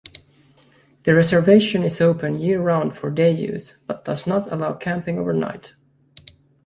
The reservation is open year-round for day use, but does not allow camping overnight.